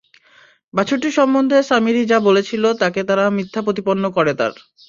বাছুরটি সম্বন্ধে সামিরী যা বলেছিল, তাকে তারা মিথ্যা প্রতিপন্ন করে তার।